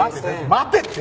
待てって！